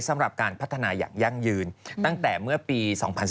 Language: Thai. สำหรับการพัฒนาอย่างยั่งยืนตั้งแต่เมื่อปี๒๐๑๙